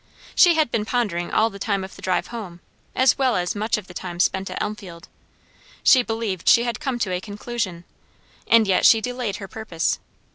She had been pondering all the time of the drive home, as well as much of the time spent at Elmfield; she believed she had come to a conclusion; and yet she delayed her purpose.